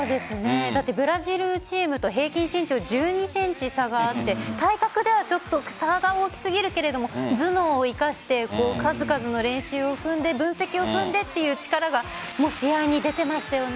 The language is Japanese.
ブラジルチームと平均身長１２ｃｍ、差があって体格では差が大きすぎるけど頭脳を生かして数々の練習を踏んで分析を踏んでという力が試合に出ていましたよね。